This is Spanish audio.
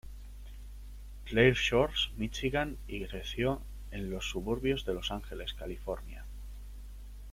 Clair Shores, Míchigan y creció en los suburbios de Los Ángeles, California.